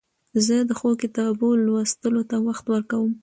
زه د ښو کتابو لوستلو ته وخت ورکوم.